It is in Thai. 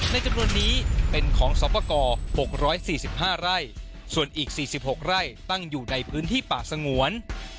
จำนวนนี้เป็นของสอบประกอบ๖๔๕ไร่ส่วนอีก๔๖ไร่ตั้งอยู่ในพื้นที่ป่าสงวน